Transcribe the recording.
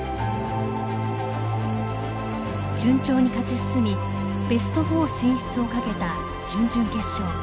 順調に勝ち進みベスト４進出を懸けた準々決勝。